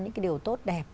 những cái điều tốt đẹp